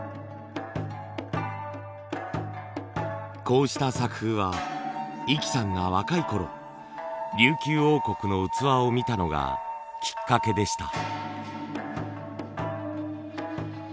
こうした作風は壹岐さんが若いころ琉球王国の器を見たのがきっかけでした。